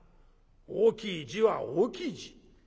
大きい字は大きい字。